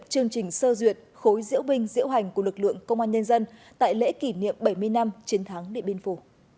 chương trình sơ duyệt khối diễu binh diễu hành của lực lượng công an nhân dân tại lễ kỷ niệm bảy mươi năm chiến thắng địa biên phủ